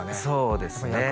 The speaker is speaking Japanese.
そうですね